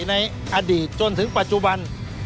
ในอดีตจนถึงปัจจุบัน